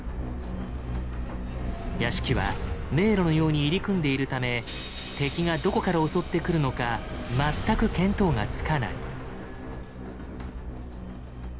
屋敷は迷路のように入り組んでいるため敵がどこから襲ってくるのか全く見当がつかない。